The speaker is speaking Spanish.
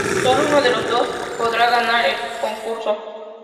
Sólo uno de los dos podrá ganar el concurso.